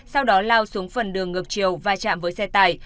sau đó lao xuống phần đường ngược chiều và chạm với xe tải